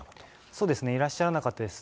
そうですね、いらっしゃらなかったです。